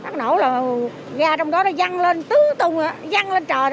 nó nổ rồi ga trong đó nó văng lên tứ tung văng lên trời